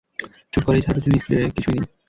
চুপ করো, এই ঝাড়বাতির নিচে কিছুই নেই।